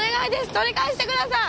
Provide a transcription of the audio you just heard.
取り返してください！